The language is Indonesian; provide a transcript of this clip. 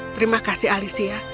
terima kasih alicia